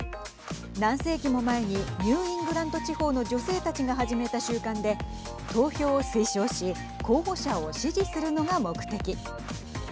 何世紀も前にニュー・イングランド地方の女性たちが始めた習慣で投票を推奨し候補者を支持するのが目的。